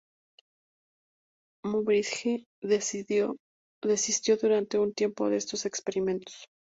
Muybridge desistió durante un tiempo de estos experimentos.